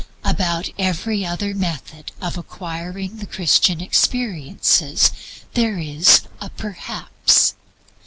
About every other method of acquiring the Christian experiences there is a "perhaps."